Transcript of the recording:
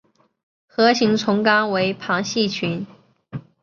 核形虫纲为旁系群。